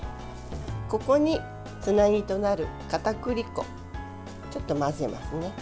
ここに、つなぎとなるかたくり粉ちょっと混ぜますね。